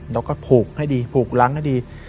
แล้วก็ผูกให้ดีผูกล้างให้ดี